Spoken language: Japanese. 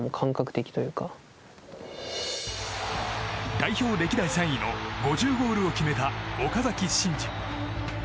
代表歴代３位の５０ゴールを決めた岡崎慎司。